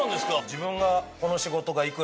自分が。